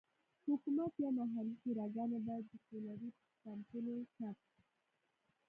حکومت یا محلي شوراګانې باید د سولري پمپونو ثبت.